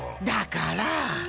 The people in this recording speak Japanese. だからぁ